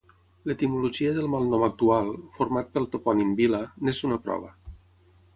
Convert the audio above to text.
L'etimologia del malnom actual, format pel topònim vila, n'és una prova.